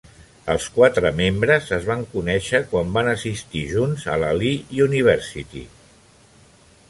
Els quatre membres es van conèixer quan van assistir junts a la Lee University.